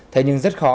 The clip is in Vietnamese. thế nhưng rất khó